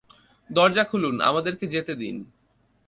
দরজা খুলুন, আমাদেরকে যেতে দিন।